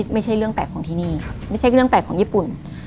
ไม่ใช่เรื่องแปลกของที่นี่ไม่ใช่เรื่องแปลกของญี่ปุ่น